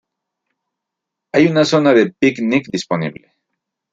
Hay una zona de picnic disponible.